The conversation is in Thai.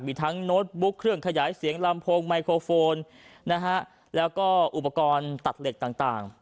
มีทั้งโน้ตบุ๊กเครื่องขยายเสียงลำโพงไมโครโฟนนะฮะแล้วก็อุปกรณ์ตัดเหล็กต่าง